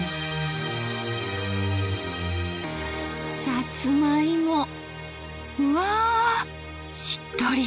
さつまいもうわしっとり！